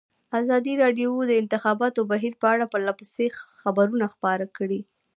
ازادي راډیو د د انتخاباتو بهیر په اړه پرله پسې خبرونه خپاره کړي.